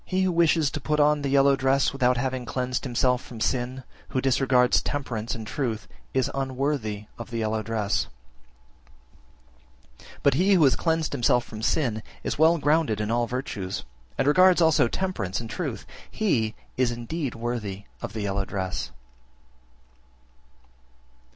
9. He who wishes to put on the yellow dress without having cleansed himself from sin, who disregards temperance and truth, is unworthy of the yellow dress. 10. But he who has cleansed himself from sin, is well grounded in all virtues, and regards also temperance and truth, he is indeed worthy of the yellow dress.